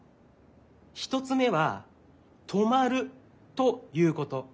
１つめはとまるということ。